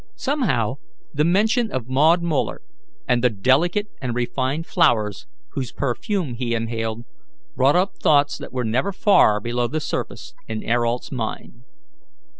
Somehow the mention of Maud Muller, and the delicate and refined flowers, whose perfume he inhaled, brought up thoughts that were never far below the surface in Ayrault's mind.